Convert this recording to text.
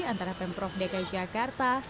antara pemprov dki jakarta